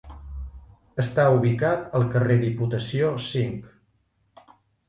Està ubicat al carrer Diputació cinc.